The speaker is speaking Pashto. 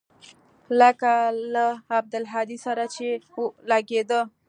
لکه له عبدالهادي سره چې لګېده.